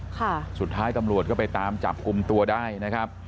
ค่ะสุดท้ายตำรวจก็ไปตามจับกลุ่มตัวได้นะครับ